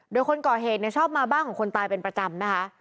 โดยคนก่อเหตุชอบมาบ้านของคนตายเป็นประจำนะคะ